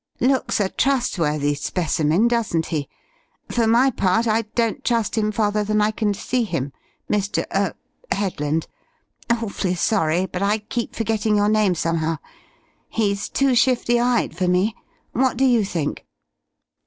Looks a trustworthy specimen, doesn't he? For my part I don't trust him farther than I can see him, Mr. er Headland (awfully sorry but I keep forgetting your name somehow). He's too shifty eyed for me. What do you think?"